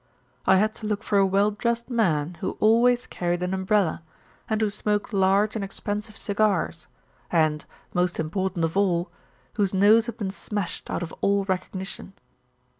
"I had to look for a well dressed man who always carried an umbrella, and who smoked large and expensive cigars and, most important of all, whose nose had been smashed out of all recognition."